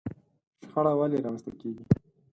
شخړه ولې رامنځته کېږي؟